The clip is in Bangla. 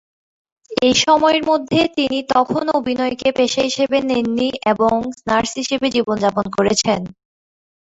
এই সময়ের মধ্যে, তিনি তখনও অভিনয়কে পেশা হিসাবে নেননি এবং নার্স হিসাবে জীবনযাপন করেছেন।